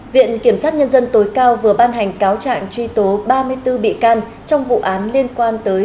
viện kiểm sát nhân dân tối cao vừa ban hành cáo trạng truy tố ba mươi bốn bị can trong vụ án liên quan tới